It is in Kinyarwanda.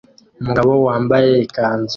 Umugabo wambaye ikanzu